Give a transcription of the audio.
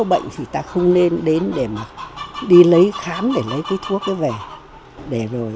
đặc biệt là hội này có mô hồn hoặc thức văn